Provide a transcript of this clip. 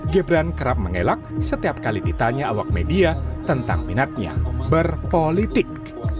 gibran kerap mengelak setiap kali ditanya awak media tentang minatnya berpolitik